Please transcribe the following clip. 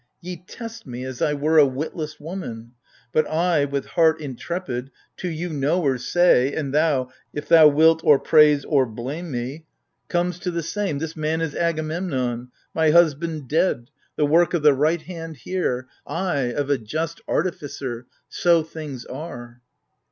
Ye test me as I were a witless woman : But I— with heart intrepid — to you knowers Say (and thou — if thou wilt or praise or blame me, 122 AGAMEMNON. Comes to the same) — this man is Agamemnon, My husband, dead, the work of the right hand here, Ay, of a just artificer : so things are.